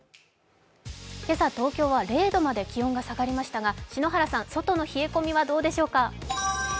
今朝、東京は０度まで気温が下がりましたが今朝の冷え込みはどうでしょうか？